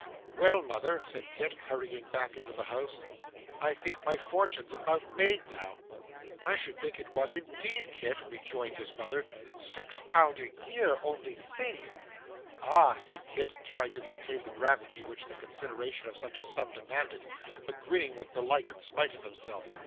'Well, mother,' said Kit, hurrying back into the house, 'I think my fortune's about made now.' 'I should think it was indeed, Kit,' rejoined his mother. 'Six pound a year! Only think!' 'Ah!' said Kit, trying to maintain the gravity which the consideration of such a sum demanded, but grinning with delight in spite of himself.